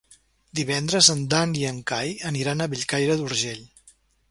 Divendres en Dan i en Cai aniran a Bellcaire d'Urgell.